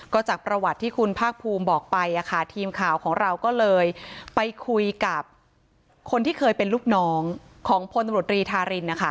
ก็จากประวัติที่คุณภาคภูมิบอกไปทีมข่าวของเราก็เลยไปคุยกับคนที่เคยเป็นลูกน้องของพลตำรวจรีธารินนะคะ